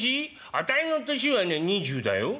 あたいの年はね２０だよ」。